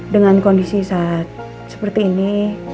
dengan kondisi saat seperti ini